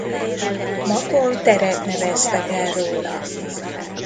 Makón teret neveztek el róla.